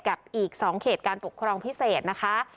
กับอีก๒เขตการปกครองพิเศษนะคะ